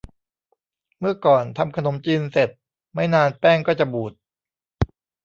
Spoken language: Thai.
เมื่อก่อน ทำขนมจีนเสร็จ ไม่นานแป้งก็จะบูด